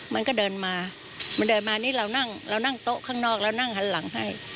มันก็เดินมาเรานั่งโต๊ะข้างนอกเรานั่งหันหลังให้